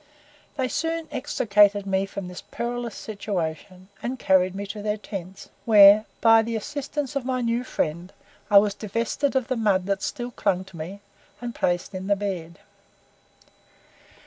They soon extricated me from this perilous situation, and carried me to their tents, where, by the assistance of my new friend, I was divested of the mud that still clung to me, and placed into bed.